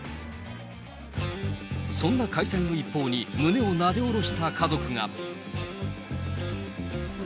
そんな開催の一報に、胸をなで下ろした家族が。